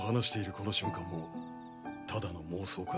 この瞬間もただの妄想か。